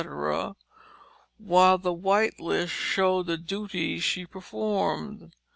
while the white list showed the duties she performed.